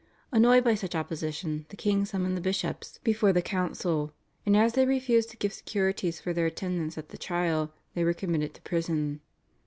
Annoyed by such opposition the king summoned the bishops before the council, and as they refused to give securities for their attendance at the trial, they were committed to prison.